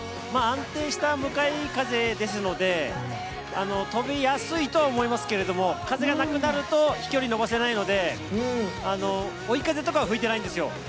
安定した向かい風ですので飛びやすいとは思いますけども風がなくなると飛距離伸ばせないので追い風などは吹いていないんですよ。